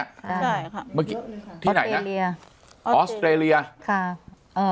ใช่ค่ะเมื่อกี้ที่ไหนนะเลียออสเตรเลียค่ะอ่า